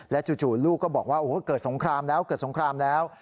และจู่ลูกก็บอกว่าเกิดสงครามแล้ว